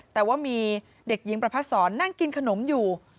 แต่ว่ามีเด็กหญิงประพัดศรนั่งกินขนมอยู่